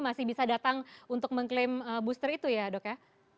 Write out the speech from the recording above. masih bisa datang untuk mengklaim booster itu ya dok ya